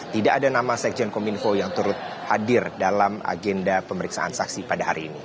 tidak ada nama sekjen kominfo yang turut hadir dalam agenda pemeriksaan saksi pada hari ini